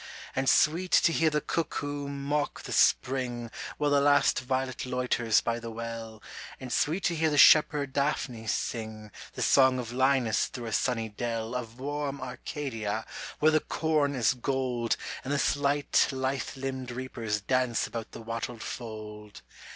And sweet to hear the cuckoo mock the spring While the last violet loiters by the well, And sweet to hear the shepherd Daphnis sing The song of Linus through a sunny dell Of warm Arcadia where the corn is gold And the slight lithe limbed reapers dance about the wattled fold.